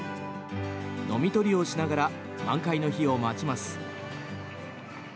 ノミ取りをしながら満開の日を待ちます。